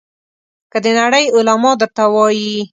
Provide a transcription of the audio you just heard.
که د نړۍ علما درته وایي.